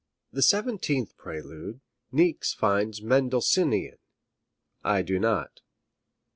The seventeenth prelude Niecks finds Mendelssohn ian. I do not.